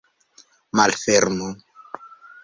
Malfermu!